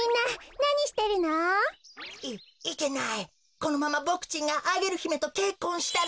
このままボクちんがアゲルひめとけっこんしたら。